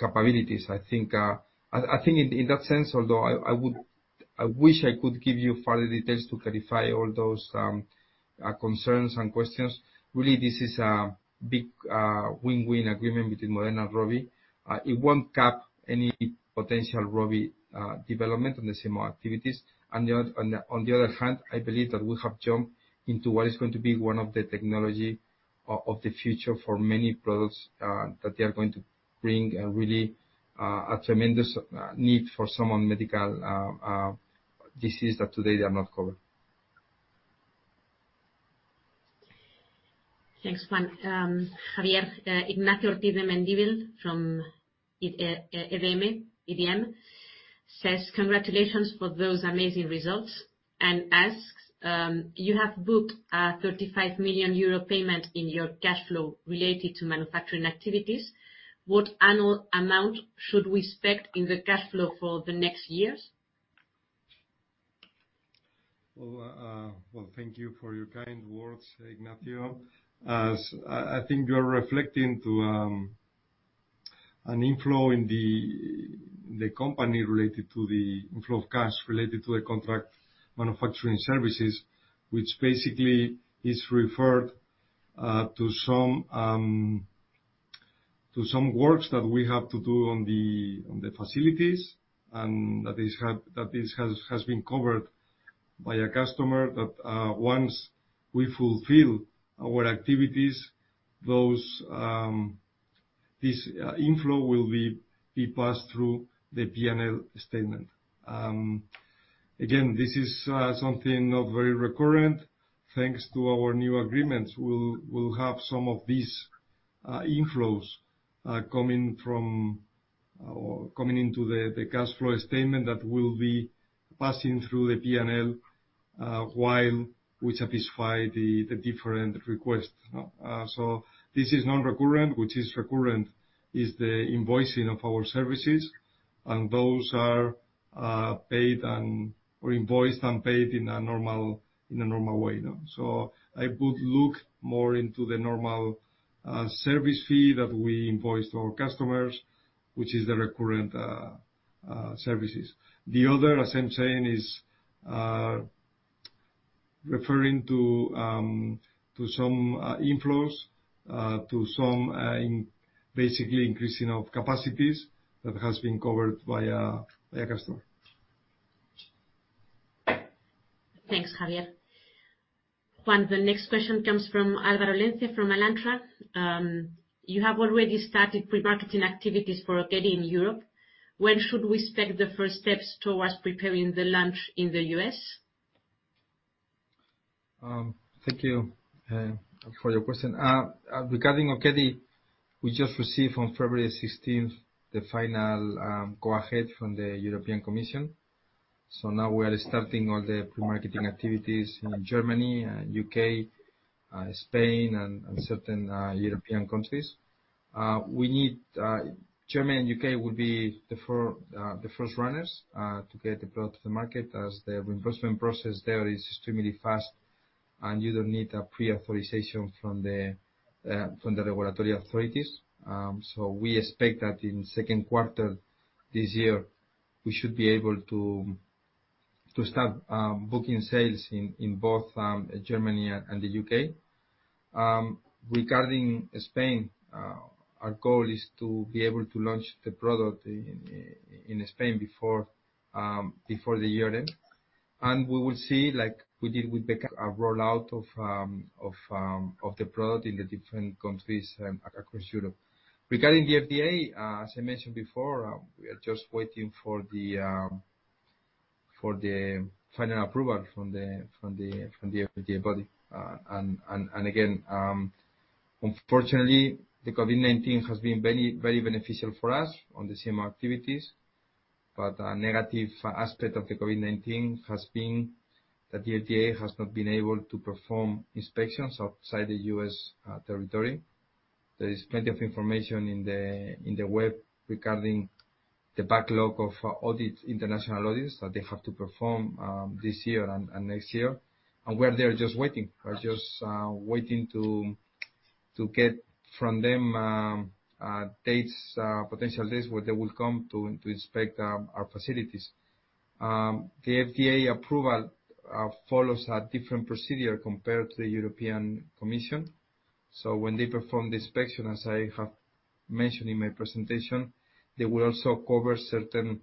capabilities. I think in that sense, although I wish I could give you further details to clarify all those concerns and questions. Really, this is a big win-win agreement between Moderna and ROVI. It won't cap any potential ROVI development in the CMO activities. On the other hand, I believe that we have jumped into what is going to be one of the technology of the future for many products that they are going to bring really a tremendous need for some medical disease that today they are not covered. Thanks, Juan. Javier, Ignacio Ortiz de Mendivil from EDM says, congratulations for those amazing results, and asks, you have booked a 35 million euro payment in your cash flow related to manufacturing activities. What annual amount should we expect in the cash flow for the next years? Well, thank you for your kind words, Ignacio. I think you are referring to an inflow in the company related to the inflow of cash related to the contract manufacturing services, which basically is referred to some works that we have to do on the facilities, and that this has been covered by a customer that once we fulfill our activities, those, this inflow will be passed through the P&L statement. Again, this is something not very recurrent. Thanks to our new agreements, we'll have some of these inflows coming from or coming into the cash flow statement that will be passing through the P&L while we satisfy the different requests. This is non-recurrent. Which is recurrent is the invoicing of our services, and those are invoiced and paid in a normal way now. I would look more into the normal service fee that we invoice to our customers, which is the recurrent services. The other, as I'm saying, is referring to some inflows to basically increasing of capacities that has been covered by a customer. Thanks, Javier. Juan, the next question comes from Álvaro Lenze from Alantra. You have already started pre-marketing activities for Okedi in Europe. When should we expect the first steps towards preparing the launch in the U.S.? Thank you for your question. Regarding Okedi, we just received on February sixteenth the final go-ahead from the European Commission. Now we are starting all the pre-marketing activities in Germany and U.K., Spain and certain European countries. Germany and U.K. will be the first runners to get the product to the market as the reimbursement process there is extremely fast and you don't need a pre-authorization from the regulatory authorities. We expect that in second quarter this year, we should be able to start booking sales in both Germany and the U.K. Regarding Spain, our goal is to be able to launch the product in Spain before the year end. We will see, like we did with Becat, a rollout of the product in the different countries across Europe. Regarding the FDA, as I mentioned before, we are just waiting for the final approval from the FDA body. Again, unfortunately, the COVID-19 has been very beneficial for us on the CMO activities. A negative aspect of the COVID-19 has been that the FDA has not been able to perform inspections outside the U.S. territory. There is plenty of information in the web regarding the backlog of audits, international audits that they have to perform this year and next year. We are there just waiting. We're just waiting to get from them potential dates where they will come to inspect our facilities. The FDA approval follows a different procedure compared to the European Commission. When they perform the inspection, as I have mentioned in my presentation, they will also cover certain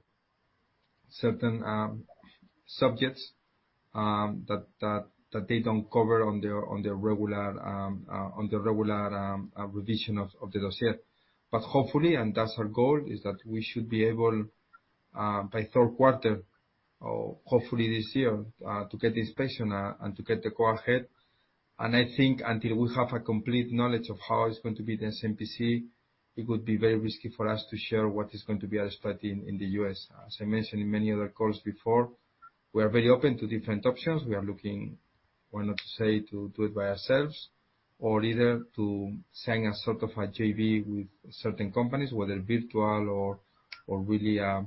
subjects that they don't cover on their regular revision of the dossier. Hopefully, and that's our goal, is that we should be able by third quarter or hopefully this year to get inspection and to get the go-ahead. I think until we have a complete knowledge of how it's going to be the SMPC, it would be very risky for us to share what is going to be our strategy in the U.S. As I mentioned in many other calls before, we are very open to different options. We are looking why not to say to do it by ourselves or either to sign a sort of a JV with certain companies, whether virtual or really a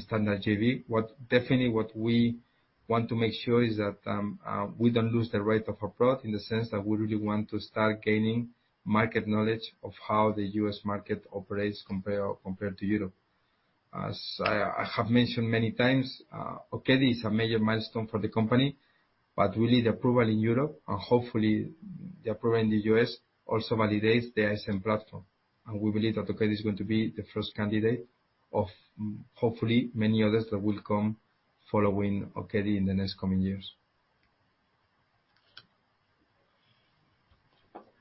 standard JV. What definitely we want to make sure is that we don't lose the rate of approach in the sense that we really want to start gaining market knowledge of how the U.S. market operates compared to Europe. As I have mentioned many times, Okedi is a major milestone for the company, but we need approval in Europe, and hopefully the approval in the U.S. also validates the ISM platform. We believe that Okedi is going to be the first candidate of hopefully many others that will come following Okedi in the next coming years.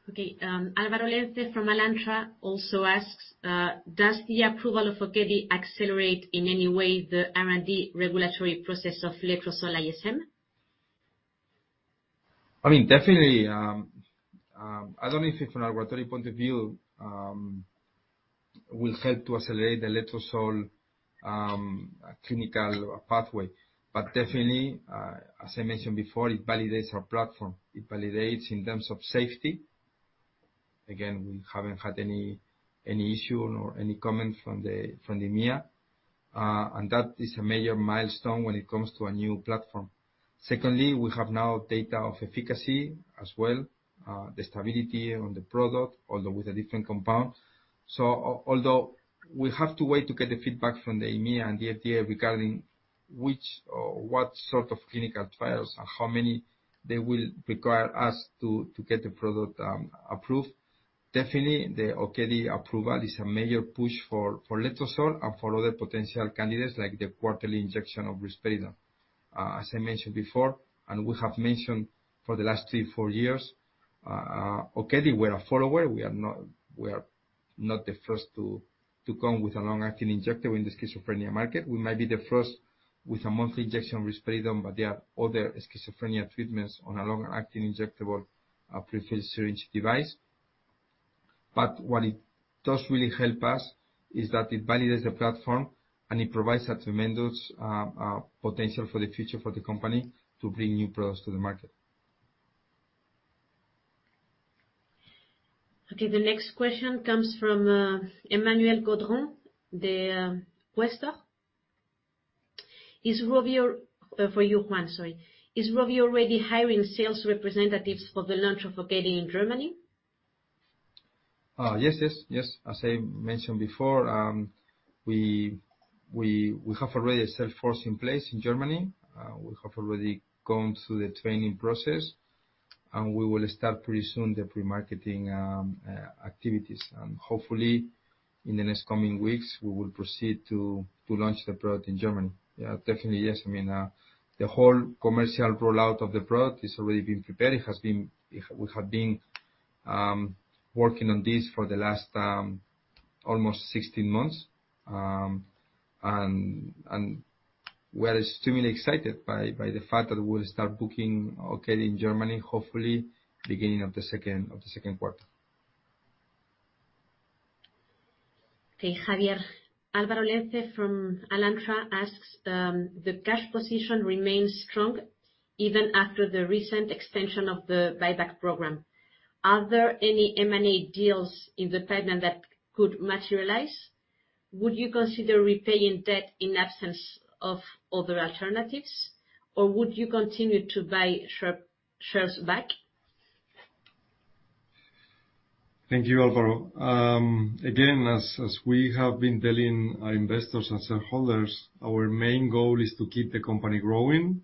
Okay. Álvaro Lenze from Alantra also asks, "Does the approval of Okedi accelerate in any way the R&D regulatory process of Letrozole ISM? I mean, definitely, I don't know if from a regulatory point of view will help to accelerate the Letrozole clinical pathway. Definitely, as I mentioned before, it validates our platform. It validates in terms of safety. Again, we haven't had any issue nor any comment from the EMEA, and that is a major milestone when it comes to a new platform. Secondly, we have now data of efficacy as well, the stability on the product, although with a different compound. Although we have to wait to get the feedback from the EMEA and the FDA regarding which or what sort of clinical trials and how many they will require us to get the product approved, definitely the Okedi approval is a major push for Letrozolel and for other potential candidates like the quarterly injection of risperidone. As I mentioned before and we have mentioned for the last 3-4 years, Okedi, we're a follower. We are not the first to come with a long-acting injector in the schizophrenia market. We might be the first with a monthly injection risperidone, but there are other schizophrenia treatments on a long-acting injectable prefilled syringe device. What it does really help us is that it validates the platform, and it provides a tremendous potential for the future for the company to bring new products to the market. Okay. The next question comes from Emmanuel Codron, the investor. For you, Juan. Sorry. Is ROVI already hiring sales representatives for the launch of Okedi in Germany? Yes. As I mentioned before, we have already a sales force in place in Germany. We have already gone through the training process, and we will start pretty soon the pre-marketing activities. Hopefully, in the next coming weeks, we will proceed to launch the product in Germany. Yeah, definitely yes. I mean, the whole commercial rollout of the product is already being prepared. We have been working on this for the last almost 16 months. We are extremely excited by the fact that we'll start booking Okedi in Germany, hopefully beginning of the second quarter. Okay. Javier, Álvaro Lenze from Alantra asks, the cash position remains strong even after the recent extension of the buyback program. Are there any M&A deals in the pipeline that could materialize? Would you consider repaying debt in absence of other alternatives, or would you continue to buy shares back? Thank you, Álvaro. Again, as we have been telling our investors and shareholders, our main goal is to keep the company growing.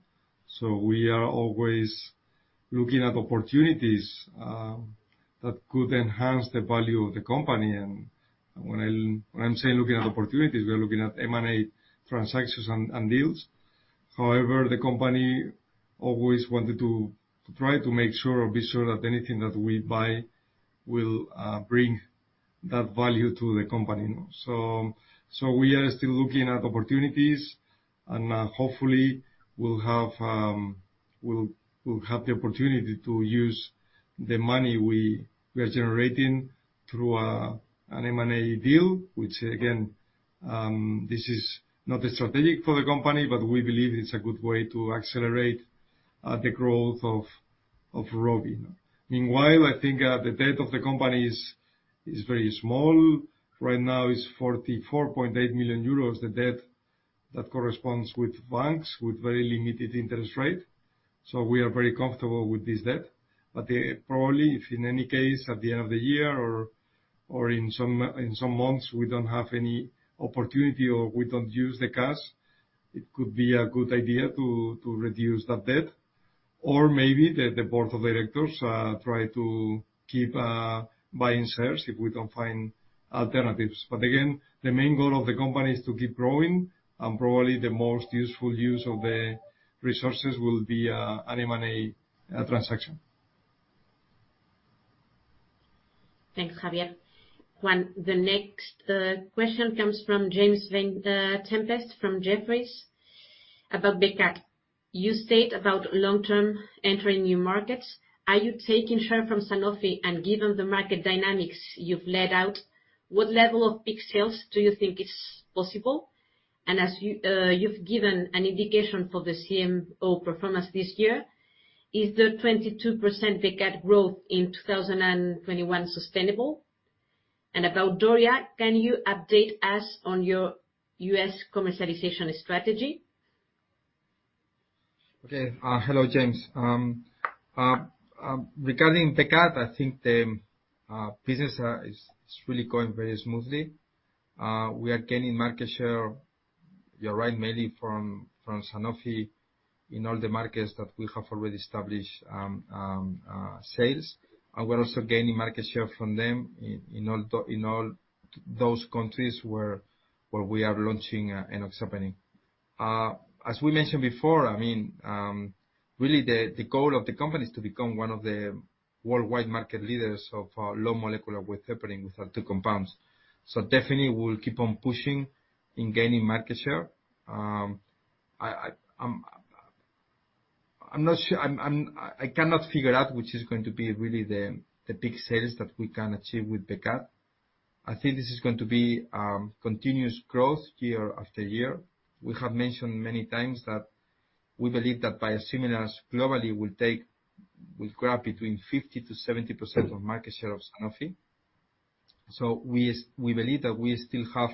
We are always looking at opportunities that could enhance the value of the company. When I'm saying looking at opportunities, we are looking at M&A transactions and deals. However, the company always wanted to try to make sure or be sure that anything that we buy will bring that value to the company. We are still looking at opportunities, and hopefully we'll have the opportunity to use the money we are generating through an M&A deal. Which again, this is not a strategic for the company, but we believe it's a good way to accelerate the growth of ROVI. Meanwhile, I think the debt of the company is very small. Right now it's 44.8 million euros, the debt that corresponds with banks with very limited interest rate. So we are very comfortable with this debt. But probably, if in any case at the end of the year or in some months we don't have any opportunity or we don't use the cash, it could be a good idea to reduce that debt. Or maybe the board of directors try to keep buying shares if we don't find alternatives. But again, the main goal of the company is to keep growing, and probably the most useful use of the resources will be an M&A transaction. Thanks, Javier. Juan, the next question comes from James Sheridan from Jefferies about Becat. You state about long-term entering new markets. Are you taking share from Sanofi? Given the market dynamics you've laid out, what level of peak sales do you think is possible? As you've given an indication for the CMO performance this year, is the 22% Becat growth in 2021 sustainable? About Doria, can you update us on your U.S. commercialization strategy? Okay. Hello, James. Regarding Becat, I think the business is really going very smoothly. We are gaining market share, you're right, mainly from Sanofi in all the markets that we have already established sales. We're also gaining market share from them in all those countries where we are launching enoxaparin. As we mentioned before, I mean, really the goal of the company is to become one of the worldwide market leaders of low molecular weight heparin with our two compounds. Definitely we'll keep on pushing in gaining market share. I cannot figure out which is going to be really the big sales that we can achieve with Becat. I think this is going to be continuous growth year after year. We have mentioned many times that we believe that biosimilars globally will grab between 50%-70% of market share of Sanofi. We believe that we still have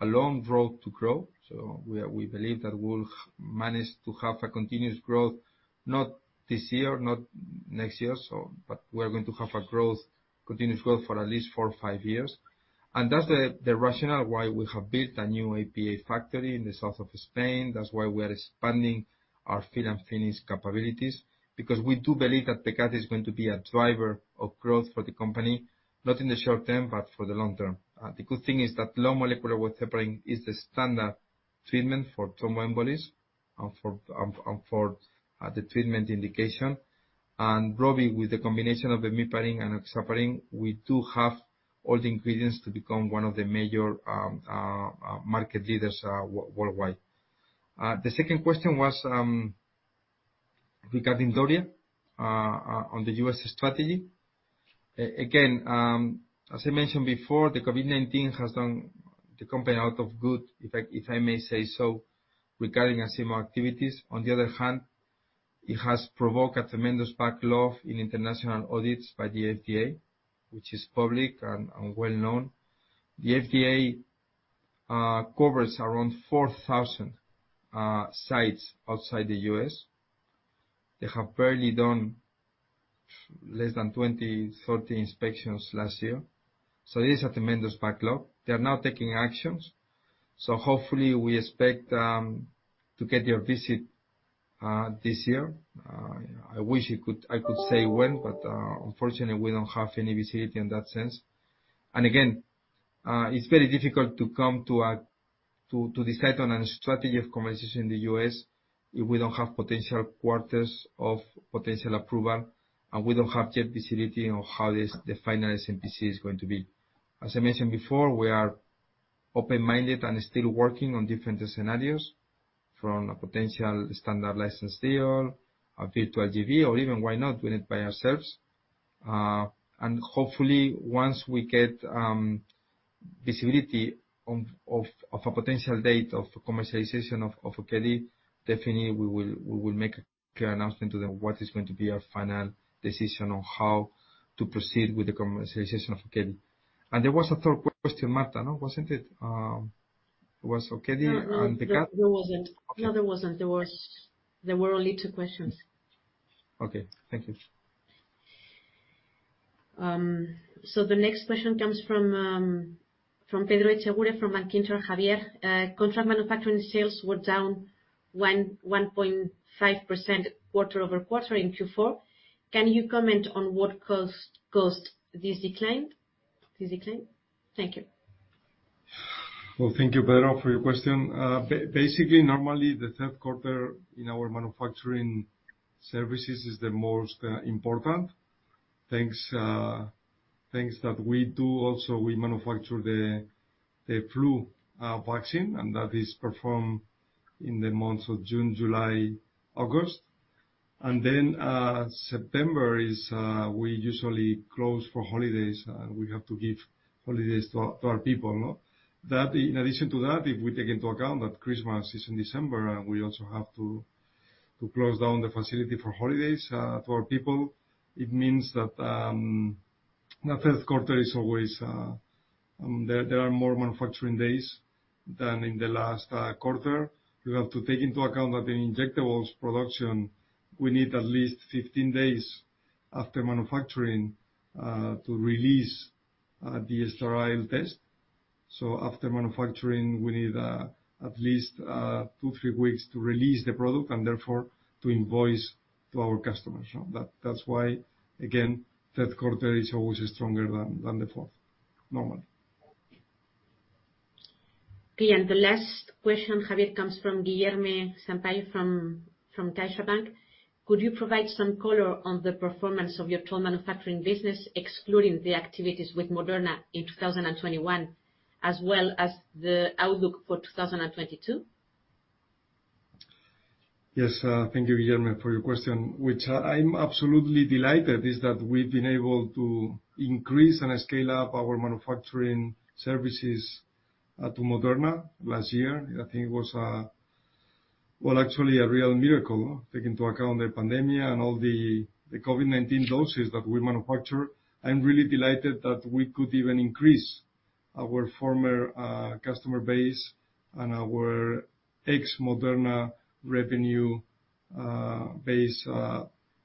a long road to grow. We believe that we'll manage to have a continuous growth, not this year, not next year, but we're going to have a growth, continuous growth for at least four or five years. That's the rationale why we have built a new API factory in the south of Spain. That's why we are expanding our fill and finish capabilities, because we do believe that Becat is going to be a driver of growth for the company, not in the short term, but for the long term. The good thing is that low molecular weight heparin is the standard treatment for thromboembolism and for the treatment indication. Probably with the combination of bemiparin and enoxaparin, we do have all the ingredients to become one of the major market leaders worldwide. The second question was regarding Doria on the U.S. strategy. Again, as I mentioned before, the COVID-19 has done the company a world of good, if I may say so, regarding CMO activities. On the other hand, it has provoked a tremendous backlog in international audits by the FDA, which is public and well-known. The FDA covers around 4,000 sites outside the U.S. They have barely done 20-30 inspections last year. It is a tremendous backlog. They are now taking actions, so hopefully we expect to get their visit this year. I wish I could say when, but unfortunately, we don't have any visibility in that sense. Again, it's very difficult to come to decide on a strategy of commercialization in the U.S. if we don't have potential quarters of potential approval, and we don't yet have visibility on how this, the final SMPC is going to be. As I mentioned before, we are open-minded and still working on different scenarios, from a potential standard license deal, a bit to a JV, or even, why not, do it by ourselves. Hopefully once we get visibility on a potential date of commercialization of Okedi, definitely we will make a clear announcement on the. What is going to be our final decision on how to proceed with the commercialization of Okedi. There was a third question, Marta, no? Wasn't it, was Okedi and Becat? No, there wasn't. There were only two questions. Okay. Thank you. The next question comes from Pedro Echeguren from Macquarie, Javier. Contract manufacturing sales were down 1.5% quarter-over-quarter in Q4. Can you comment on what caused this decline? Thank you. Well, thank you, Pedro, for your question. Basically, normally the third quarter in our manufacturing services is the most important. Things that we do also, we manufacture the flu vaccine, and that is performed in the months of June, July, August. September is we usually close for holidays. We have to give holidays to our people, no? In addition to that, if we take into account that Christmas is in December and we also have to close down the facility for holidays for our people, it means that the third quarter is always there are more manufacturing days than in the last quarter. You have to take into account that the injectables production, we need at least 15 days after manufacturing to release the sterile test. After manufacturing, we need at least 2-3 weeks to release the product, and therefore, to invoice to our customers. That's why, again, third quarter is always stronger than the fourth, normally. Okay. The last question, Javier, comes from Guilherme Sampaio from CaixaBank. Could you provide some color on the performance of your contract manufacturing business, excluding the activities with Moderna in 2021, as well as the outlook for 2022? Yes. Thank you, Guilherme, for your question, which I'm absolutely delighted is that we've been able to increase and scale up our manufacturing services to Moderna last year. I think it was well, actually a real miracle, taking into account the pandemic and all the COVID-19 doses that we manufacture. I'm really delighted that we could even increase our former customer base and our ex-Moderna revenue base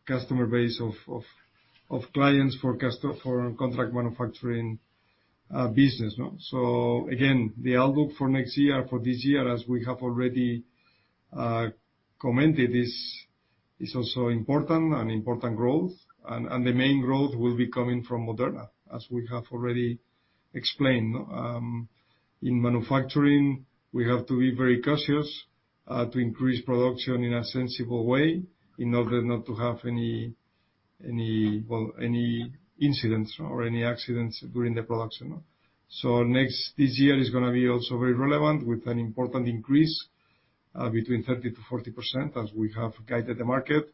customer base of clients for contract manufacturing business, no? The outlook for next year, for this year, as we have already commented, is also important growth. The main growth will be coming from Moderna, as we have already explained. In manufacturing, we have to be very cautious to increase production in a sensible way in order not to have any incidents or any accidents during the production. This year is gonna be also very relevant with an important increase between 30%-40% as we have guided the market,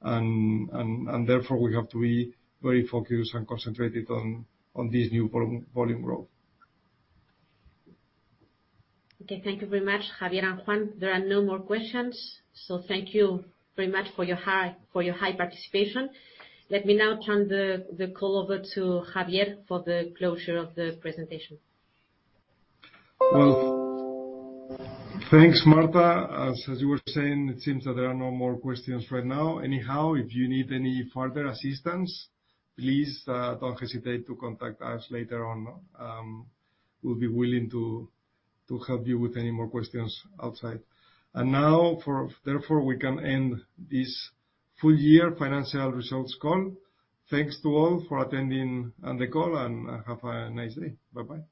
and therefore we have to be very focused and concentrated on this new volume growth. Okay, thank you very much, Javier and Juan. There are no more questions. Thank you very much for your fine participation. Let me now turn the call over to Javier for the closure of the presentation. Well, thanks, Marta. As you were saying, it seems that there are no more questions right now. Anyhow, if you need any further assistance, please don't hesitate to contact us later on. We'll be willing to help you with any more questions outside. Therefore, we can end this full year financial results call. Thanks to all for attending on the call, and have a nice day. Bye-bye.